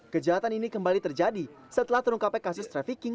kejahatan ini kembali terjadi setelah terungkapnya kasus trafficking